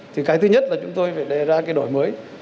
thì cái thứ nhất là chúng tôi phải đề ra cái đổi mới